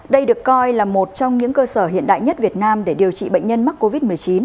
đây được coi là một trong những cơ sở hiện đại nhất việt nam để điều trị bệnh nhân mắc covid một mươi chín